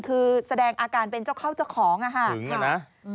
คือแสดงอาการเป็นเจ้าเข้าเจ้าของอ่ะค่ะหึงอ่ะนะ